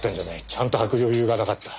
ちゃんと履く余裕がなかった。